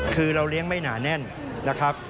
คือเราเลี้ยงไม่หนาแน่นนะครับ